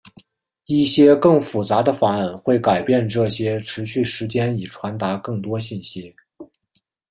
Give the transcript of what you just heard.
一些更复杂的方案会改变这些持续时间以传达更多信息。